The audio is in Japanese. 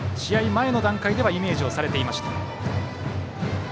前の段階ではイメージをされていました。